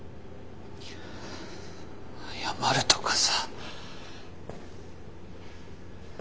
謝るとかさ。